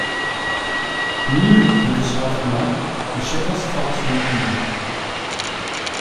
Nul ne le saura vraiment, mais chacun se fera son opinion.